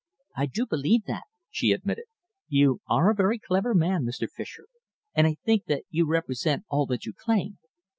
"I do believe that," she admitted. "You are a very clever man, Mr. Fischer, and I think that you represent all that you claim.